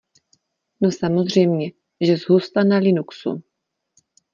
No samozřejmě, že zhusta na Linuxu.